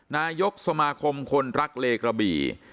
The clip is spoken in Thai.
นายกสมาคมคนรักเลกระบี่